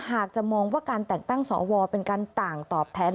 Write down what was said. หากจะมองว่าการแต่งตั้งสวเป็นการต่างตอบแทน